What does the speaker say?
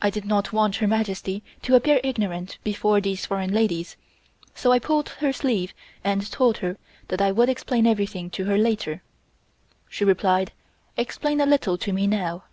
I did not want Her Majesty to appear ignorant before these foreign ladies, so I pulled her sleeve and told her that I would explain everything to her later. She replied: "Explain a little to me now."